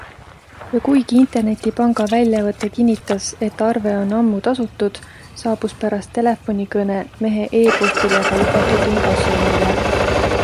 Ja kuigi internetipanga väljavõte kinnitas, et arve on ammu tasutud, saabus pärast telefonikõne mehe e-postile ka lubatud inkassonõue.